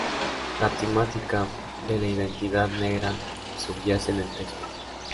La temática de la identidad negra subyace en el texto.